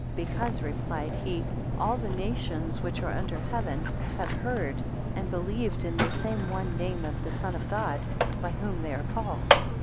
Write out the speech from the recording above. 166 Because, replied he, all the nations which are under heaven, have heard and believed in the same one name of the Son of God by whom they are called.